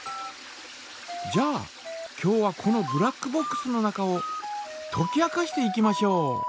じゃあ今日はこのブラックボックスの中をとき明かしていきましょう。